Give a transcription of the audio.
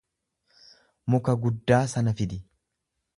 Muka guddaa sana fidi.